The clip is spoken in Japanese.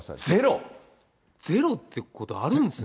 ゼロってことあるんですね。